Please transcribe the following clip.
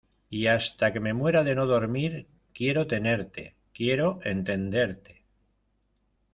y hasta que me muera de no dormir, quiero tenerte , quiero entenderte.